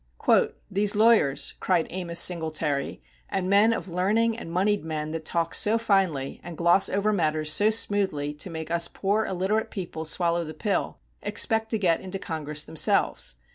"These lawyers," cried Amos Singletary, "and men of learning and moneyed men that talk so finely and gloss over matters so smoothly to make us poor illiterate people swallow the pill, expect to get into Congress themselves!